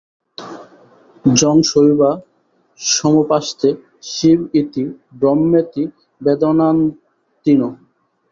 যং শৈবা সমুপাসতে শিব ইতি ব্রহ্মেতি বেদান্তিনো।